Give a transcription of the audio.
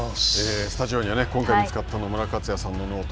スタジオには今回見つかった野村克也さんのノート。